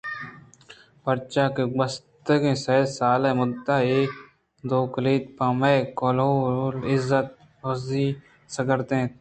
پرچا کہ گوٛستگیں سئے سال ءِ مدّت ءَ اے دوکاگد پہ مئے کہول ءِ عزّت ءِ برُزی ءَ ستاکرز اِت اَنت